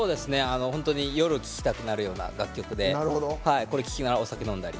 夜聴きたくなるような楽曲でこれ聴きながらお酒飲んだり。